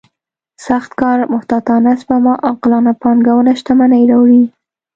سخت کار محتاطانه سپما عاقلانه پانګونه شتمني راوړي.